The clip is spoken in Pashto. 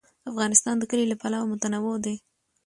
افغانستان د کلي له پلوه متنوع دی.